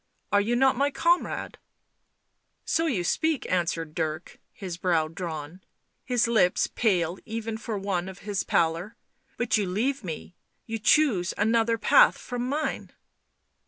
Are you not my comrade ?"" So you speak," answered Dick, his brow drawn, his lips pale even for one of his pallor. " But you leave me. ... You choose another path from mine."